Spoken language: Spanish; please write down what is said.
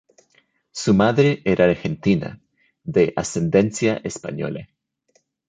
Su madre era argentina, de ascendencia española.